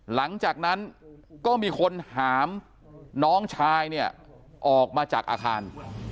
หลังจากนั้นก็มีคนหามน้องชายเนี่ยออกมาจากอาคาร